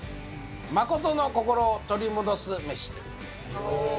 誠の心を取り戻すメシということですね。